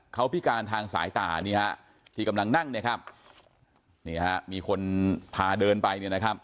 เขาพิการทางสายตาที่กำลังนั่งมีคนพาเดินไป